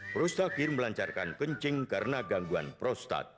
prostakir melancarkan kencing karena gangguan prostat